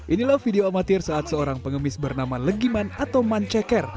inilah video amatir saat seorang pengemis bernama legiman atau man ceker